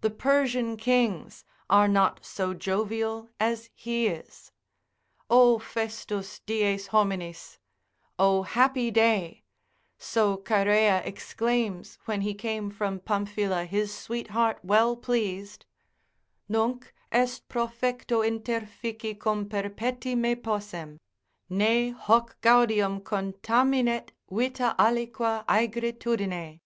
The Persian kings are not so jovial as he is, O festus dies hominis, O happy day; so Chaerea exclaims when he came from Pamphila his sweetheart well pleased, Nunc est profecto interfici cum perpeti me possem, Ne hoc gaudium contaminet vita aliqua aegritudine.